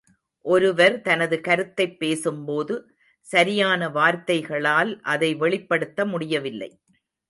ஒருவர் தனது கருத்தைப் பேசும்போது சரியான வார்த்தைகளால் அதை வெளிப்படுத்த முடியவில்லை.